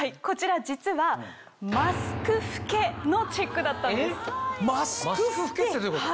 こちら実は。のチェックだったんです。